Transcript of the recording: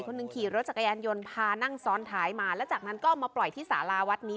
หนึ่งขี่รถจักรยานยนต์พานั่งซ้อนท้ายมาแล้วจากนั้นก็เอามาปล่อยที่สาราวัดนี้